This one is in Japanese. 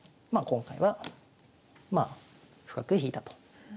今回はまあ深く引いたと。